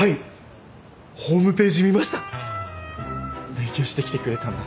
勉強してきてくれたんだ。